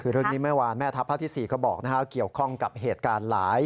คือเรื่องนี้เมื่อวานแม่ทัพภาคที่๔เขาบอกเกี่ยวข้องกับเหตุการณ์หลาย